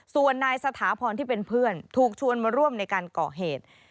ส่วนนายสถาพรที่เป็นเพื่อนถูกชวนมาร่วมในการก่อเหตุ